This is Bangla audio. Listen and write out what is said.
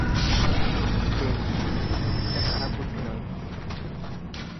বেশ, এটা খারাপ বুদ্ধি নয়।